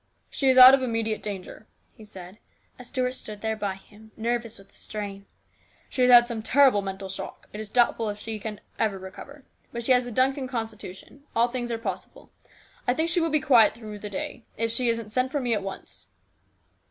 " She is out of immediate danger," he said, as Stuart stood there by him, nervous with the strain. " She has had some terrible mental shock. It is doubtful if she can recover. But she has the Duncan constitution. All things are possible. I think she will be quiet through the day. If she isn't, send for me at once."